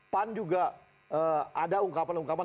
pan juga ada ungkapan ungkapan